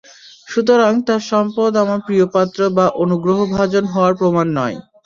সুতরাং তার সম্পদ আমার প্রিয়পাত্র বা অনুগ্রহভাজন হওয়ার প্রমাণ নয়।